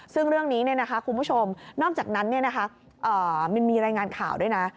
ซึ่งเรื่องนี้คุณผู้ชมนอกจากนั้นมันมีรายงานข่าวด้วยนะ